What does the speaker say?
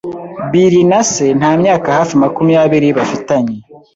Billy na se nta myaka hafi makumyabiri bafitanye.